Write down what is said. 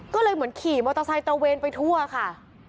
ก็เลยเหมือนขี่มอเตอร์ไซค์ตระเวนไปทั่วค่ะ